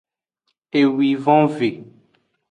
Ewivonve.